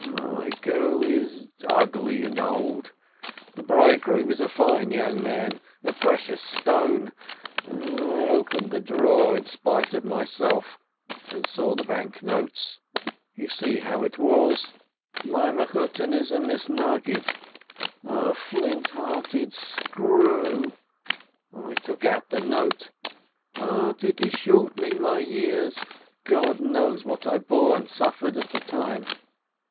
.. My girl is ugly and old ... the bridegroom is a fine young man ... a precious stone .... I opened the drawer in spite of myself ... and saw the bank notes ... You see how it was? ... My Mechutton is a Misnaggid ... a flint 208 ROSENTHAL hearted screw ... I took out the note ... but it is shortening my years !... God knows what I bore and suffered at the time